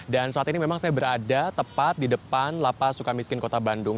dan saat ini memang saya berada tepat di depan lapa sukamiskin kota bandung